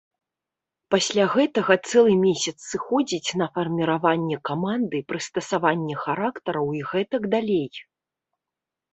Пасля гэтага цэлы месяц сыходзіць на фарміраванне каманды, прыстасаванне характараў і гэтак далей.